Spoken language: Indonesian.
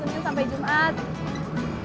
yang satunya lagi minta pindah jadwal